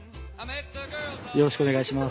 よろしくお願いします。